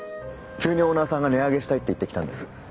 急にオーナーさんが値上げしたいって言ってきたんです。